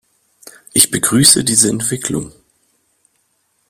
Ich begrüße diese Entwicklung.